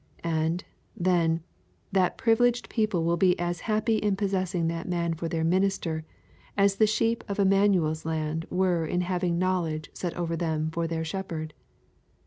And, then, that privileged people will be as happy in possessing that man for their minister as the sheep of Immanuel's Land were in having Knowledge set over them for their shepherd.